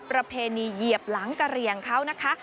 ประเพณีเหยียบหลังกะเหลี่ยงเขานะคะ